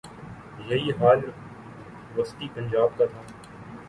یہی حال وسطی پنجاب کا تھا۔